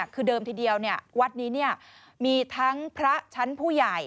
คือเดิมทีเดียววัดนี้มีทั้งพระชั้นผู้ใหญ่